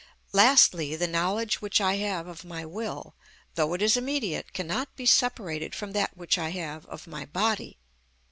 Lastly, the knowledge which I have of my will, though it is immediate, cannot be separated from that which I have of my body.